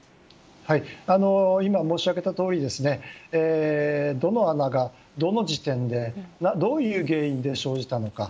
今、申し上げたとおりどの穴がどの時点でどういう原因で生じたのか。